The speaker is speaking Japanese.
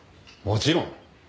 もちろん。